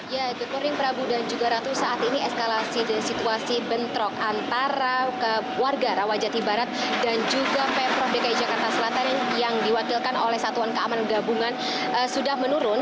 ya good morning prabu dan juga ratu saat ini eskalasi dan situasi bentrok antara warga rawajati barat dan juga pemprov dki jakarta selatan yang diwakilkan oleh satuan keamanan gabungan sudah menurun